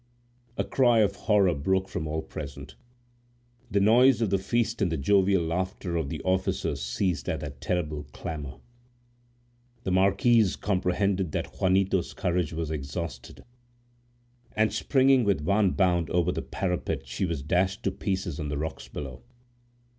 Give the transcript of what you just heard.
A cry of horror broke from all present. The noise of the feast and the jovial laughter of the officers ceased at that terrible clamor. The marquise comprehended that Juanito's courage was exhausted, and springing with one bound over the parapet, she was dashed to pieces on the rocks below.